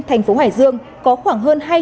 thành phố hải dương có khoảng hơn